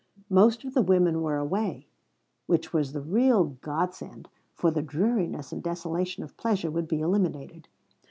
Most of the women were away, which was the real godsend, for the dreariness and desolation of pleasure would be eliminated.